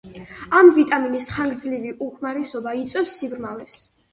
ამ ვიტამინის ხანგრძლივი უკმარისობა იწვევს სიბრმავეს.